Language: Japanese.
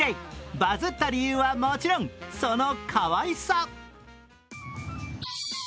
バズった理由はもちろん、そのかわいさ。